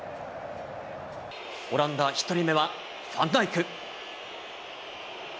オランダ、１人目はファンダイク。